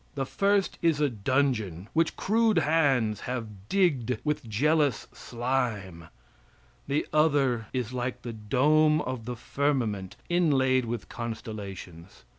The first is a dungeon, which crude hands have digged with jealous slime. The other is like the dome of the firmament, inlaid with constellations.